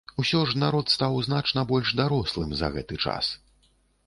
Усё ж народ стаў значна больш дарослым за гэты час.